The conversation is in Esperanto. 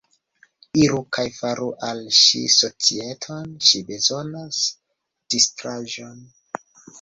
Iru kaj faru al ŝi societon; ŝi bezonas distraĵon.